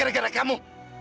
ini semua karena kamu